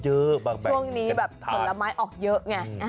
ช่วงนี้แบบผลไม้ออกเยอะไง